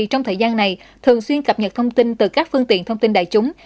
trong thời gian này thường xuyên cập nhật thông tin từ các phương tiện thông tin đại chúng